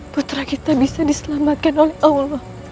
putra kita bisa diselamatkan oleh allah